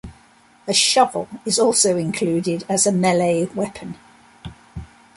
A shovel is also included as a melee weapon.